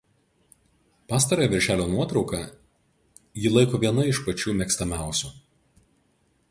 Pastarąją viršelio nuotrauką ji laiko viena iš pačių mėgstamiausių.